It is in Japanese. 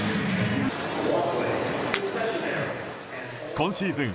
今シーズン